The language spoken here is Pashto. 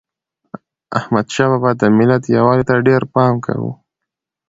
احمدشاه بابا د ملت یووالي ته ډېر پام کاوه.